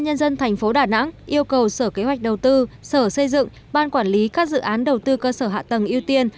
ubnd tp đà nẵng yêu cầu sở kế hoạch đầu tư sở xây dựng ban quản lý các dự án đầu tư cơ sở hạ tầng ưu tiên